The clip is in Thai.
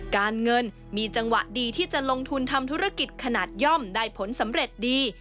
การเงินมีจังหวะดีที่จะลงทุนทำธุรกิจขนาดย่อมได้ผลสำเร็จดี